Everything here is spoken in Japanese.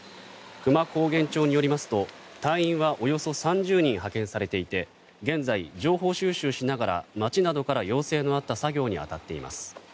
久万高原町によりますと隊員はおよそ３０人派遣されていて現在、情報収集しながら町などから要請のあった作業に当たっています。